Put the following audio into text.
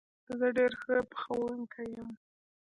زه ډېر ښه پخوونکی یم